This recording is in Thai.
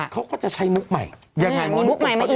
เขาก็จะใช้มุกใหม่ยังไงมุกใหม่ไปอีก